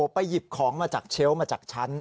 ไปหยิบของมาจากเชลล์มาจากชั้น